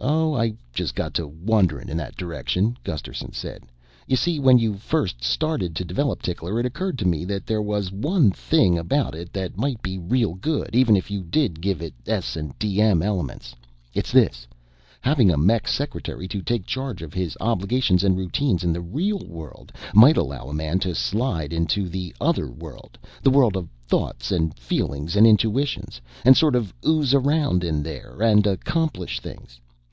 "Oh, I just got to wonderin' in that direction," Gusterson said. "You see, when you first started to develop Tickler, it occurred to me that there was one thing about it that might be real good even if you did give it S&DM elements. It's this: having a mech secretary to take charge of his obligations and routine in the real world might allow a man to slide into the other world, the world of thoughts and feelings and intuitions, and sort of ooze around in there and accomplish things.